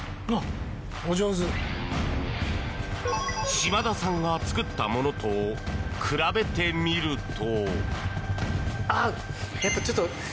島田さんが作ったものと比べてみると。